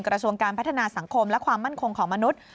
กระทรวงการพัฒนาสังคมและความมั่นคงของมนุษย์